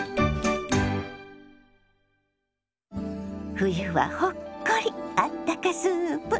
「冬はほっこりあったかスープ」。